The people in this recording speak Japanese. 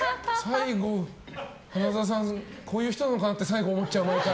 花澤さん、こういう人なのかなと最後思っちゃう、毎回。